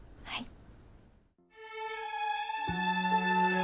はい。